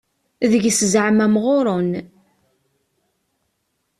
Deg-s zaɛma mɣuren.